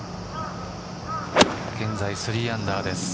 現在３アンダーです。